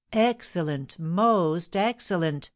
"Excellent! Most excellent!"